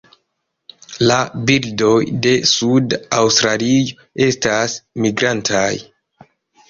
La birdoj de suda Aŭstralio estas migrantaj.